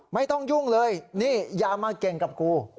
ไม่ต้องยุ่งเลยนี่อย่ามาเก่งกับกู